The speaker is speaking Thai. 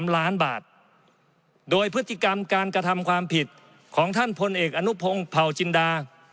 ๓ล้านบาทโดยพฤติกรรมการกระทำความผิดของท่านพลเอกอนุพงศ์เผาจินดา